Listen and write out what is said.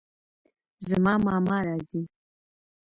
زما ماما راځي